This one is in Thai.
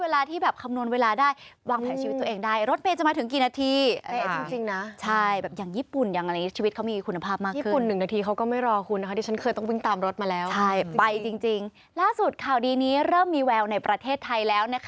เวลาที่แบบคำนวณเวลาได้วางแผลชีวิตตัวเองได้